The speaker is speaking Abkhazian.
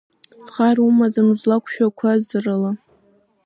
Хар умаӡам, узлақәшәақәаз рыла.